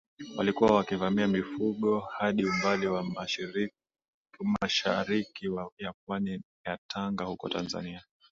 walikuwa wakivamia mifugo hadi umbali wa mashariki ya pwani ya Tanga huko Tanzania